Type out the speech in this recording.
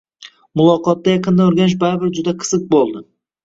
Muloqotda yaqindan oʻrganish baribir juda qiziq boʻldi.